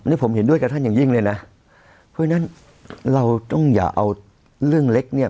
นี่ผมเห็นด้วยกับท่านอย่างยิ่งเลยนะเพราะฉะนั้นเราต้องอย่าเอาเรื่องเล็กเนี่ย